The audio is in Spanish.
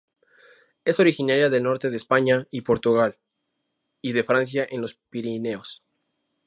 Es originaria del norte de España y Portugal y de Francia en los Pirineos.